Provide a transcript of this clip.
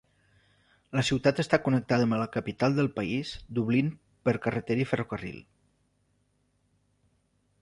La ciutat està connectada amb la capital del país, Dublín per carretera i ferrocarril.